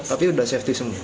tapi udah safety semua